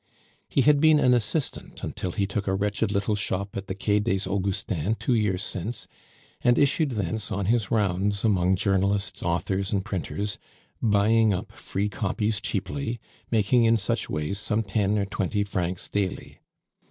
He had been an assistant until he took a wretched little shop on the Quai des Augustins two years since, and issued thence on his rounds among journalists, authors, and printers, buying up free copies cheaply, making in such ways some ten or twenty francs daily.